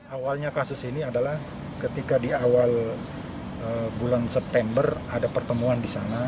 awalnya kasus ini adalah ketika di awal bulan september ada pertemuan di sana